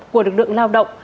của lực lượng lao động